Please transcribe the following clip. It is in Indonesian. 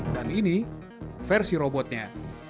dan ini versi robotnya